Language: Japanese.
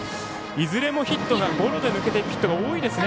いずれもヒットがゴロで抜けてヒットが多いですね。